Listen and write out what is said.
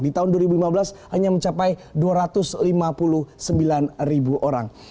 di tahun dua ribu lima belas hanya mencapai dua ratus lima puluh sembilan ribu orang